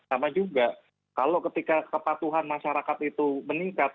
sama juga kalau ketika kepatuhan masyarakat itu meningkat